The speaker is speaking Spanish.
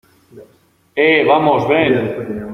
eh, vamos... ven ...